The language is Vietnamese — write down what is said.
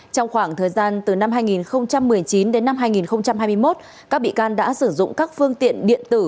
trong khoảng thời gian từ năm hai nghìn một mươi chín đến năm hai nghìn hai mươi một các bị can đã sử dụng các phương tiện điện tử